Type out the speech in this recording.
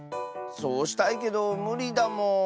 そうしたいけどむりだもん。